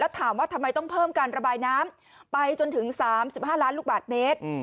ถามว่าทำไมต้องเพิ่มการระบายน้ำไปจนถึง๓๕ล้านลูกบาทเมตร